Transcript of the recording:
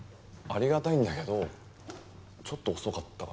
ありがたいんだけどちょっと遅かったかな。